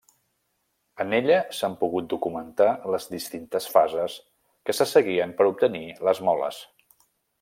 En ella s'han pogut documentar les distintes fases que se seguien per obtenir les moles.